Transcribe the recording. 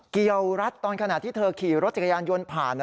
เกี่ยวรัดตอนขณะที่เธอขี่รถจักรยานยนต์ผ่าน